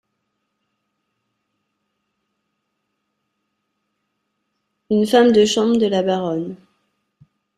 Une femme de chambre de la Baronne .